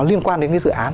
liên quan đến cái dự án